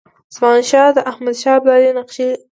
زمانشاه د احمدشاه ابدالي نقشې لري.